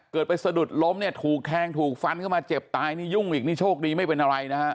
เกิดไปสะดุดล้มเนี่ยถูกแทงถูกฟันเข้ามาเจ็บตายนี่ยุ่งอีกนี่โชคดีไม่เป็นอะไรนะฮะ